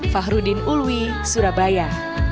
fahrudin ulwi surabaya